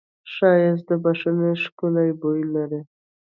ښایست د بښنې ښکلی بوی لري